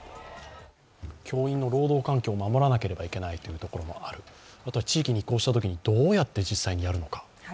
教員の労働環境を守らなければいけないというところもある、あとは地域に移行したときに、どうやって実際にやるのか。